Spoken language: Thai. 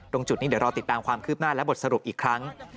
ตรงจุดนี้เดี๋ยวรอติดตามความคืบหน้าและบทสรุปอีกครั้ง